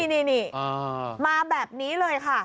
นี่มาแบบนี้เลยค่ะ